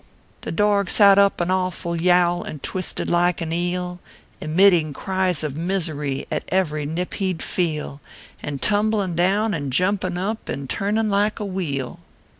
The dorg sat up an awful yowl And twisted like an eel, Emitting cries of misery At ev ry nip he d feel, And tumblin down and jumpin up, And turnin like a wheel.